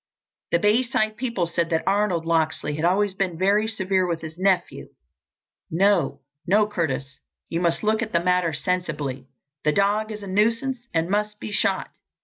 The Bayside people said that Arnold Locksley had always been very severe with his nephew. "No, no, Curtis, you must look at the matter sensibly. The dog is a nuisance and must be shot.